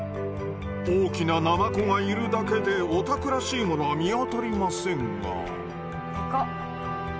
大きなナマコがいるだけでお宅らしいものは見当たりませんが。